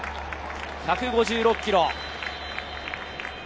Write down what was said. １５６キロ。